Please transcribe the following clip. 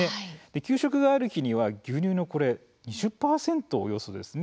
給食がある日には牛乳のこれ２０％およそですね。